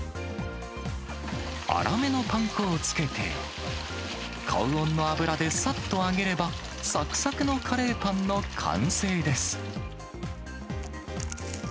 粗めのパン粉をつけて、高温の油でさっと揚げれば、さくさくのカレーパンの完成です。